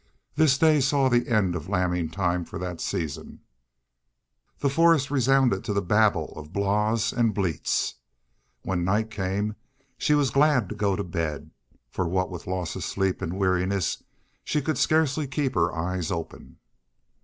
This day saw the end of lambing time for that season. The forest resounded to a babel of baas and bleats. When night came she was glad to go to bed, for what with loss of sleep, and weariness she could scarcely keep her eyes open.